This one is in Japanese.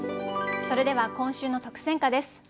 それでは今週の特選歌です。